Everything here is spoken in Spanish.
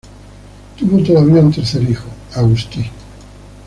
Tuvo todavía un tercer hijo, Agustí.